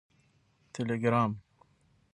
ټیلیګرام